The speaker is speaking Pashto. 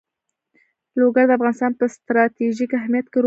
لوگر د افغانستان په ستراتیژیک اهمیت کې رول لري.